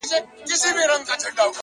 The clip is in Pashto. o خير دی. زه داسي یم. چي داسي نه وم.